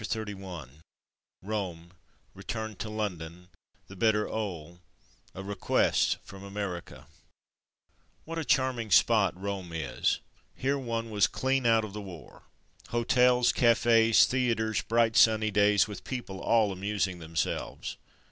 CHAPTER XXXI ROME — RETURN TO LONDON — "tHE BETTER 'OLE'' A REQUEST FROM AMERICA What a charming spot Rome is! Here one was clean out of the war. Hotels, cafes, theatres, bright sunny days, with people all amusing themselves.